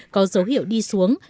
có dấu hiệu đi xuống